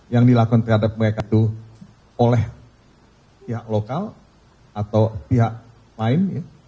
yang dilakukan terhadap mereka itu oleh pihak lokal atau pihak lain